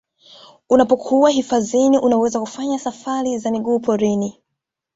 Unapokuwa hifadhini unaweza kufanya safari za miguu porini